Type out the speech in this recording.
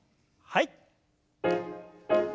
はい。